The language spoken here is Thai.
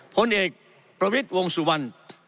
ผลเอกประวิทย์วงสุวรรณ